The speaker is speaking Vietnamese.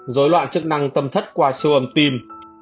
dối loạn chức năng tâm thất qua siêu âm tim